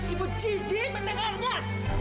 ibu jijik mendengarnya